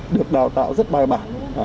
được đào tạo rất bài bản